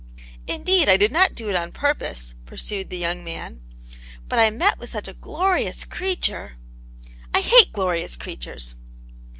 "Indeed, I did not do it on purpose," pursued the young man, " But I met with such a glorious creature "" I hate glorious creatures